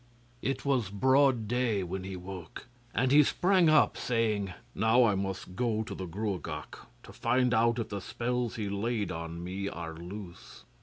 It was broad day when he woke, and he sprang up saying: 'Now I must go to the Gruagach, to find out if the spells he laid on me are loose.